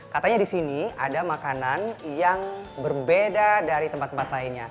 katanya di sini ada makanan yang berbeda dari tempat tempat lainnya